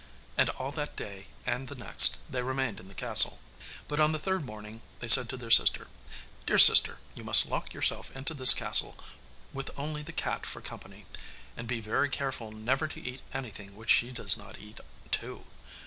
And all that day and the next they remained in the castle. But on the third morning they said to their sister: 'Dear sister, you must lock yourself into this castle, with only the cat for company. And be very careful never to eat anything which she does not eat too.